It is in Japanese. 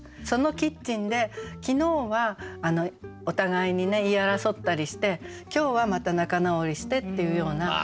そのキッチンで昨日はお互いに言い争ったりして今日はまた仲直りしてっていうような。